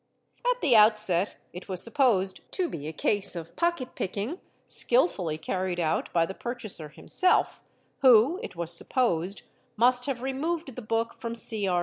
At the out st it was supposed to be a case of pocket picking skilfully carried out by he purchaser himself who, it was supposed, must have removed the book om Cr...